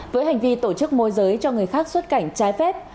với hành vi tổ chức môi giới cho người khác xuất cảnh trái phép